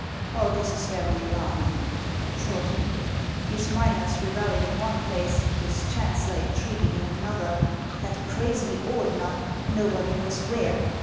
" All this is very alarming," thought he. " These miners rebelling in one place, this chancellor intriguing in another, that crazy Ordener — nobody knows where